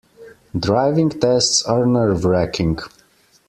Driving tests are nerve-racking.